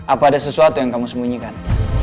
apa ada sesuatu yang kamu sembunyikan